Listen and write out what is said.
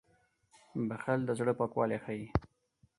• بښل د زړه پاکوالی ښيي.